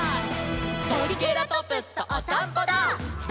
「トリケラトプスとおさんぽダー！！」